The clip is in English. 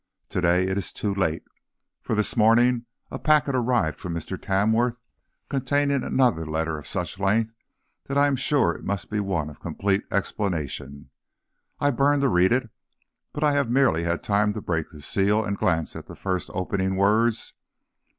To day it is too late, for this morning a packet arrived from Mr. Tamworth containing another letter of such length that I am sure it must be one of complete explanation. I burn to read it, but I have merely had time to break the seal and glance at the first opening words.